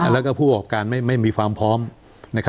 แล้วก็ผู้บอกว่าการไม่มีความพร้อมนะครับ